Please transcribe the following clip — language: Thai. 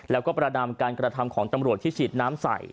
แล้วก็ประดำการกระทำของตำรวจที่ฉีดน้ำใส่